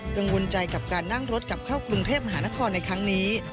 กังวลใจกับการนั่งรถกลับเข้ากรุงเทพมหานครในครั้งนี้